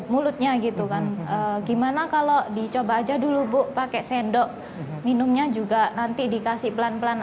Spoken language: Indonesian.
mulutnya gitu kan gimana kalau dicoba aja dulu bu pakai sendok minumnya juga nanti dikasih pelan pelan